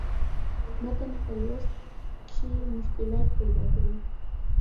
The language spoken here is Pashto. متن پۀ لوست کښې مشکلات پېدا کوي